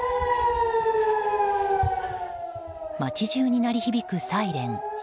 街中に鳴り響くサイレン。